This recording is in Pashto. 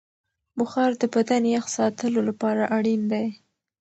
بخار د بدن یخ ساتلو لپاره اړین دی.